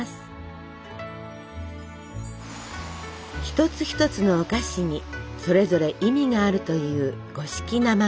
一つ一つのお菓子にそれぞれ意味があるという五色生菓子。